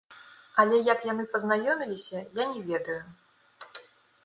Але як яны пазнаёміліся, я не ведаю.